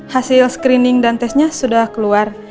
hasil screening dan tesnya sudah keluar